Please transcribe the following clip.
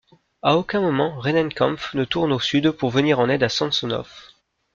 À aucun moment, Rennenkampf ne tourne au sud pour venir en aide à Samsonov.